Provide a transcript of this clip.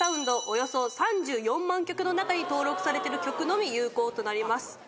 およそ３４万曲の中に登録されてる曲のみ有効となります。